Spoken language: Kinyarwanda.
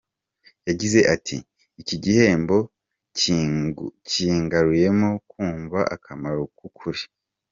Yagize ati : ”Iki gihembo kingaruyemo kumva akamaro k’ukuri.